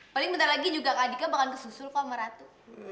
paling bentar lagi juga kak adiknya bakal kesusul kok sama ratu